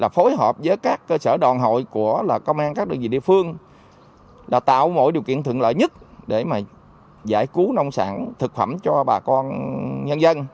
phối hợp với các cơ sở đoàn hội của công an các địa phương là tạo mỗi điều kiện thượng lợi nhất để giải cứu nông sản thực phẩm cho bà con nhân dân